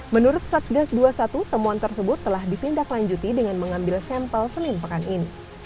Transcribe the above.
menurut satgas dua puluh satu temuan tersebut telah ditindaklanjuti dengan mengambil sampel senin pekan ini